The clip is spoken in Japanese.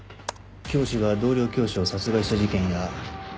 教師が同僚教師を殺害した事件や。